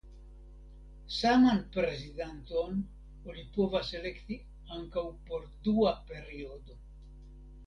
Saman prezidanton oni povas elekti ankaŭ por dua periodo.